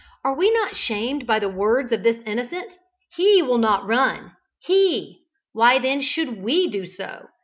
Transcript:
"Are we not shamed by the words of this innocent? He will not run, he why then should we do so?